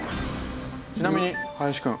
ちなみに林くん。